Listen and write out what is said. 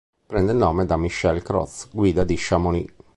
Prende il nome da Michel Croz, guida di Chamonix.